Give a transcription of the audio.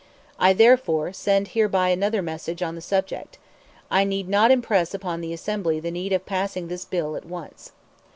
I therefore send hereby another message on the subject. I need not impress upon the Assembly the need of passing this bill at once."